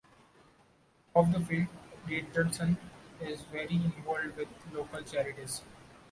Off the field, Richardson is very involved with local charities.